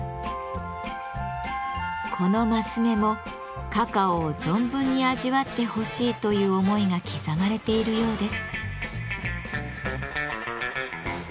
この升目もカカオを存分に味わってほしいという思いが刻まれているようです。